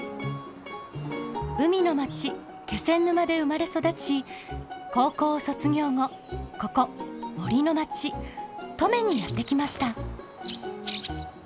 海の町・気仙沼で生まれ育ち高校を卒業後ここ森の町・登米にやって来ました。